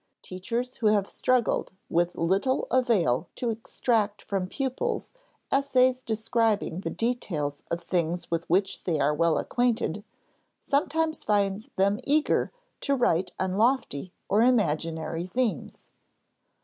Teachers who have struggled with little avail to extract from pupils essays describing the details of things with which they are well acquainted, sometimes find them eager to write on lofty or imaginary themes.